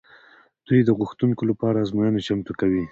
دوی د غوښتونکو لپاره ازموینه چمتو کوي.